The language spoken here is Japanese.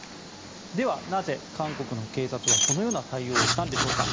では、なぜ韓国の警察はこのような対応をしたんでしょうか。